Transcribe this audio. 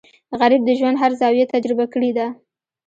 غریب د ژوند هر زاویه تجربه کړې ده